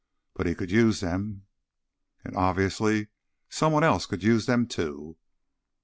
But he could use them. And, obviously, somebody else could use them too.